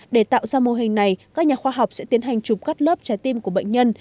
để tạo ra mô hình này các nhà khoa học sẽ tiến hành chụp cắt lớp trái tim của bệnh nhân